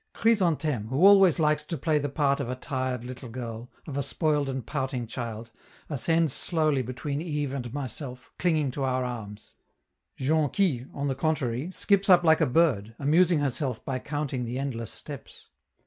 Chrysantheme, who always likes to play the part of a tired little girl, of a spoiled and pouting child, ascends slowly between Yves and myself, clinging to our arms. Jonquille, on the contrary, skips up like a bird, amusing herself by counting the endless steps.